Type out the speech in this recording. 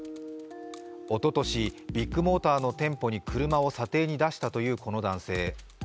おととし、ビッグモーターの店舗に車を査定に出したというこの男性。